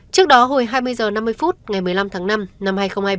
trước đó hồi hai mươi h năm mươi phút ngày một mươi năm tháng năm năm hai nghìn hai mươi ba